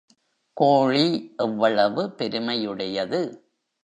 கோழி எவ்வளவு பெருமையுடையது!